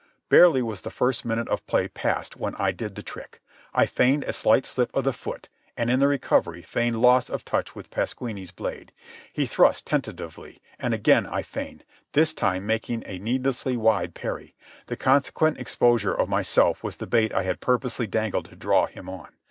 Barely was the first minute of play past when I did the trick. I feigned a slight slip of the foot, and, in the recovery, feigned loss of touch with Pasquini's blade. He thrust tentatively, and again I feigned, this time making a needlessly wide parry. The consequent exposure of myself was the bait I had purposely dangled to draw him on.